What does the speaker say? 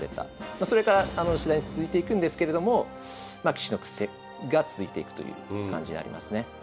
それから続いていくんですけれども棋士の苦戦が続いていくという感じになりますね。